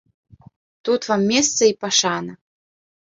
Тут вам месца і пашана.